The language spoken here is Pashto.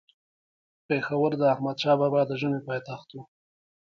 پيښور د احمدشاه بابا د ژمي پايتخت وو